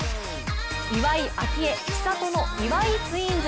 岩井明愛、千怜の岩井ツインズ。